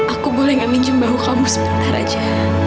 aku boleh ngamenjem bau kamu sebentar aja